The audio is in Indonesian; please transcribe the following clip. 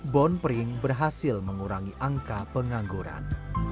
bon pring berhasil mengurangi angka pengangguran